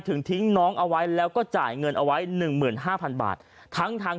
ทิ้งน้องเอาไว้แล้วก็จ่ายเงินเอาไว้๑๕๐๐๐บาททั้งทาง